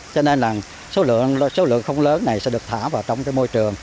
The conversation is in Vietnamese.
cho nên là số lượng không lớn này sẽ được thả vào trong môi trường